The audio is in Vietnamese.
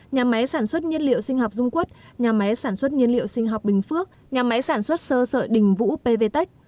bốn nhà máy sản xuất nhiên liệu sinh học dung quốc nhà máy sản xuất nhiên liệu sinh học bình phước nhà máy sản xuất sơ sợi đình vũ pv tech